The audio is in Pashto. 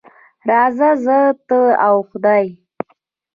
راځه زه، ته او خدای.